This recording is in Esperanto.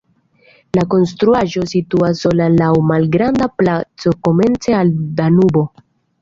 La konstruaĵo situas sola laŭ malgranda placo komence al Danubo.